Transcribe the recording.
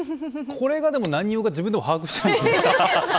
これが何用か、自分でも把握していないんです。